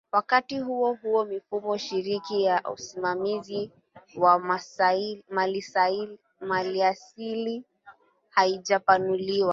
Wakati huohuo mifumo shirikishi ya usimamizi wa maliasili haijapanuliwa